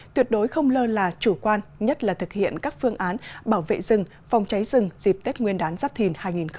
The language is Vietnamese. tuyệt đối không lơ là chủ quan nhất là thực hiện các phương án bảo vệ rừng phòng cháy rừng dịp tết nguyên đán giáp thìn hai nghìn hai mươi bốn